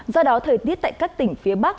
do đó thời tiết tại các tỉnh phía bắc